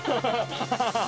ハハハハ！